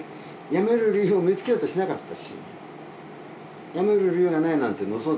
やめる理由を見つけようとしなかった。